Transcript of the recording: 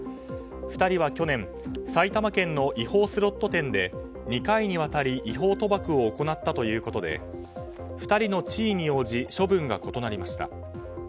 ２人は去年、埼玉県の違法スロット店で２回にわたり違法賭博を行ったということで２人の地位に応じ処分が異なりました。